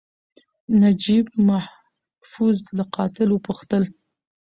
نجیب محفوظ له قاتل وپوښتل.